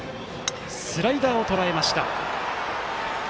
スライダーをとらえました。